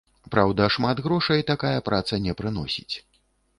Праўда, шмат грошай такая праца не прыносіць.